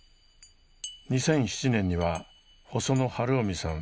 ２００７年には細野晴臣さん